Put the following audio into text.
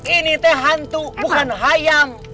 ini teh hantu bukan hayam